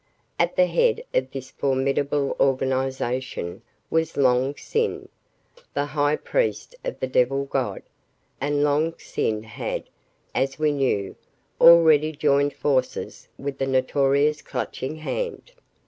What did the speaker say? At the head of this formidable organization was Long Sin, the high priest of the Devil God, and Long Sin had, as we knew, already joined forces with the notorious Clutching Hand.